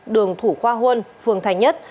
đường thủ khoa huân phường thành nhất